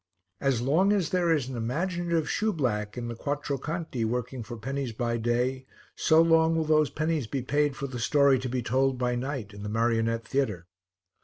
As long as there is an imaginative shoeblack in the Quattro Canti working for pennies by day, so long will those pennies be paid for the story to be told by night in the marionette theatre.